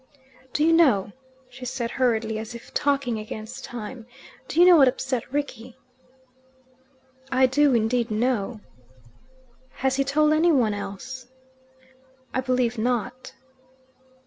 "Do you know," she said hurriedly, as if talking against time "Do you know what upset Rickie?" "I do indeed know." "Has he told any one else?" "I believe not."